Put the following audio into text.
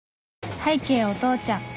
拝啓お父ちゃん